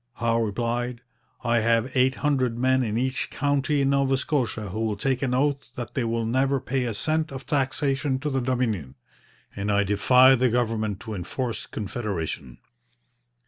Howe replied: 'I have eight hundred men in each county in Nova Scotia who will take an oath that they will never pay a cent of taxation to the Dominion, and I defy the government to enforce Confederation.'